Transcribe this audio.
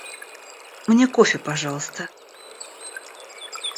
Мне кофе, пожалуйста.